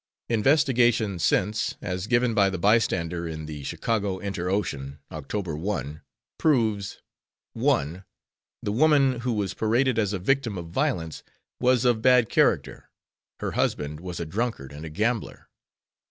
Investigation since as given by the Bystander in the Chicago Inter Ocean, October 1, proves: 1. The woman who was paraded as a victim of violence was of bad character; her husband was a drunkard and a gambler.